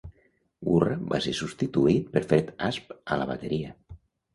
Gurra va ser substituït per Fred Asp a la bateria.